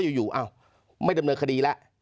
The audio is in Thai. เจ้าหน้าที่แรงงานของไต้หวันบอก